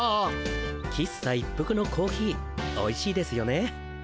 喫茶一服のコーヒーおいしいですよね。